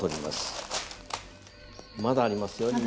まだありますよ。